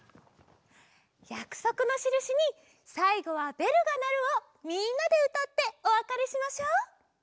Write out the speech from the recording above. やくそくのしるしにさいごは「べるがなる」をみんなでうたっておわかれしましょう！